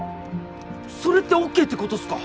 それってＯＫってことっすか？